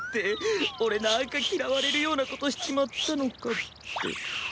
俺なんか嫌われるようなことしちまったのかって。